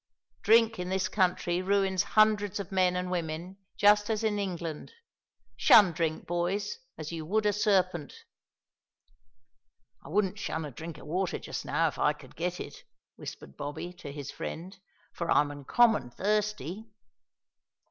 Drink in this country ruins hundreds of men and women, just as in England. Shun drink, boys, as you would a serpent." "I wouldn't shun a drink o' water just now if I could get it," whispered Bobby to his friend, "for I'm uncommon thirsty."